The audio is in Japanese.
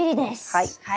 はい。